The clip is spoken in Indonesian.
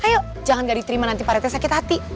ayo jangan gak diterima nanti pak reti sakit hati